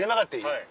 はい。